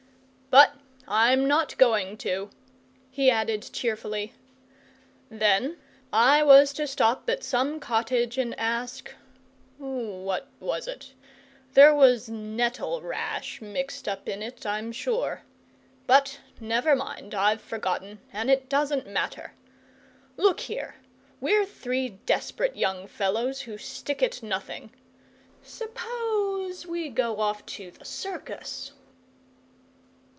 " but I'm not going to," he added, cheerfully. "Then I was to stop at some cottage and ask what was it? There was NETTLE RASH mixed up in it, I'm sure. But never mind, I've forgotten, and it doesn't matter. Look here, we're three desperate young fellows who stick at nothing. Suppose we go off to the circus?"